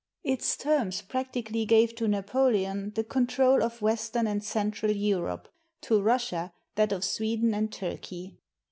Its terms practically gave to Napo leon the control of western and central Europe; to Russia that of Sweden and Turkey.